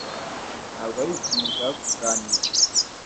Ntabwo ari ikintu nshaka kuganira